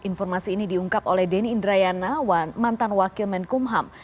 informasi ini diungkap oleh denny indrayana mantan wakil menkumham